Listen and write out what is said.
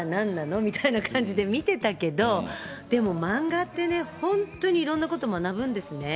みたいな感じで見てたけど、でも漫画ってね、本当にいろんなこと学ぶんそうですね。